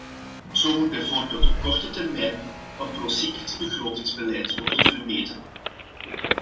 Zo moet bijvoorbeeld op korte termijn een procyclisch begrotingsbeleid worden vermeden.